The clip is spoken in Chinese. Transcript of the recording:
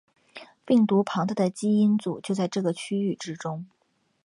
病毒庞大的基因组就在这个区域之中。